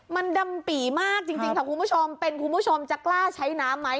มันดำปี่มากจริงค่ะคุณผู้ชมเป็นคุณผู้ชมจะกล้าใช้น้ำไหม